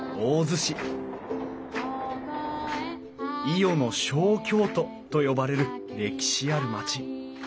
伊予の小京都と呼ばれる歴史ある町。